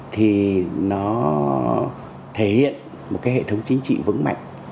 thì nó thể hiện một cái hệ thống chính trị vững mạnh